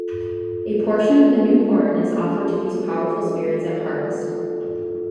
A portion of the new corn is offered to these powerful spirits at harvest.